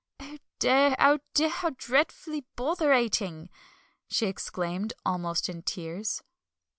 "Oh dear, oh dear, how dreadfully botherating!" she exclaimed, almost in tears.